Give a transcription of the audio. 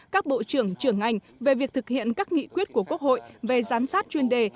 các bộ trưởng trưởng ngành về việc thực hiện các nghị quyết của quốc hội về giám sát chuyên đề